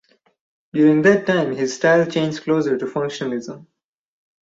During that time his style changed closer to functionalism.